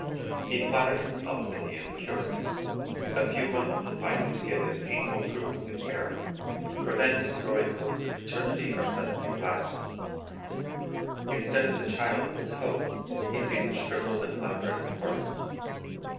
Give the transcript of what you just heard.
He flatters himself that he is cured. A few months suffice to give him painful proof of his error, for then his growing hopes of paternity are suddenly blasted. Instead of the child of his hopes he sees a shriveled and leprous corpse.